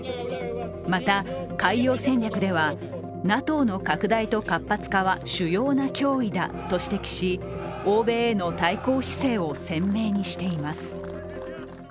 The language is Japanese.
また、海洋戦略では、ＮＡＴＯの拡大と活発化は主要な脅威だと指摘し、欧米への対抗姿勢を鮮明にしています。